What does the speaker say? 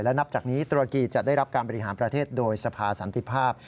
และนับจากนี้ตุรกีจะได้รับการบริหารประเทศโดยสภาสันติภาพ